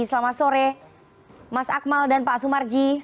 selamat sore mas akmal dan pak sumarji